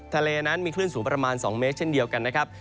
ทะเลนั้นมีคลื่นสูงประมาณ๒เมตรเช่นเดียวกันนะครับ